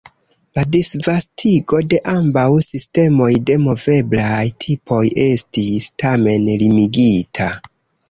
La disvastigo de ambaŭ sistemoj de moveblaj tipoj estis, tamen, limigita.